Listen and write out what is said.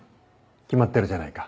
決まってるじゃないか。